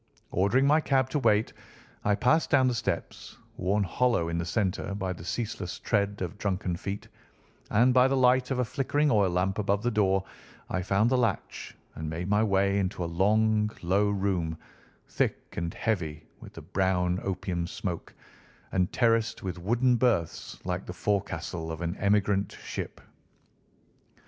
Ordering my cab to wait, I passed down the steps, worn hollow in the centre by the ceaseless tread of drunken feet; and by the light of a flickering oil lamp above the door I found the latch and made my way into a long, low room, thick and heavy with the brown opium smoke, and terraced with wooden berths, like the forecastle of an emigrant ship.